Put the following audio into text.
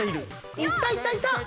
いったいったいった！